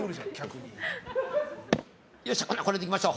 よし、ほなこれでいきましょう。